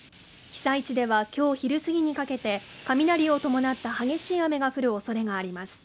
被災地では今日昼過ぎにかけて雷を伴った激しい雨が降る恐れがあります。